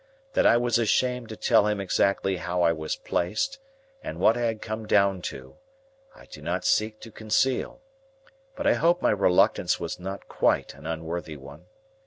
That I was ashamed to tell him exactly how I was placed, and what I had come down to, I do not seek to conceal; but I hope my reluctance was not quite an unworthy one.